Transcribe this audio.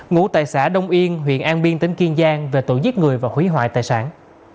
ngủ tại xã đông yên huyện an biên tỉnh kiên giang về tội giết người và hủy hoại tài sản